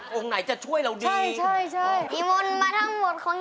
พิษเฮ็ดแล้วกินแหลงห่อง